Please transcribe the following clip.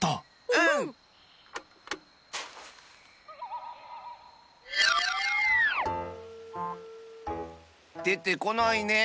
うん！でてこないね。